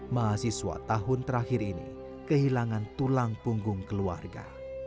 mahasiswa tahun terakhir ini kehilangan tulang punggung keluarga